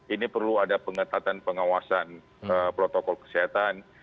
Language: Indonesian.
ini perlu ada pengetatan pengawasan protokol kesehatan